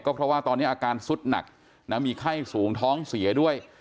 เพราะว่าตอนนี้อาการสุดหนักนะมีไข้สูงท้องเสียด้วย